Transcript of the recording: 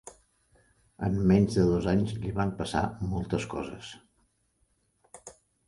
En menys de dos anys li van passar moltes coses.